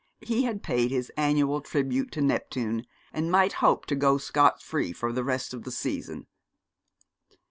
He had paid his annual tribute to Neptune, and might hope to go scot free for the rest of the season.